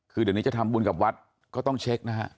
คือเดี๋ยวนี้จะทำบุญกับวัดก็ต้องเช็คนะฮะ